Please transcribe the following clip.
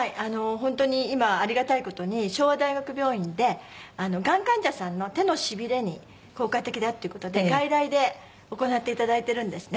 本当に今ありがたい事に昭和大学病院でがん患者さんの手のしびれに効果的だっていう事で外来で行って頂いてるんですね。